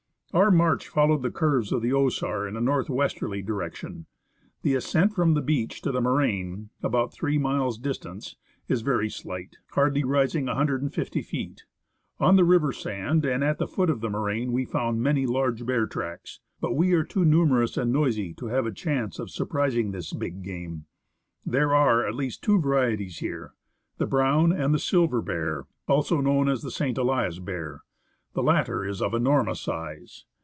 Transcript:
Our march followed the curves of the Osar in a north westerly direction. The ascent from the beach to the moraine — about three miles' distance — is very slight, hardly rising 150 feet. On the river sand and at the foot of the moraine we found many large bear tracks ; but we were too numerous and noisy to have a chance of surprising this big game. There are, at least, two varieties here — the brown and the silver bear, also known as the St. Elias bear. The latter is of enormous size.